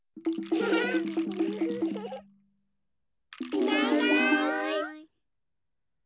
いないいない。